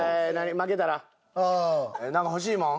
負けたらなんか欲しいもん。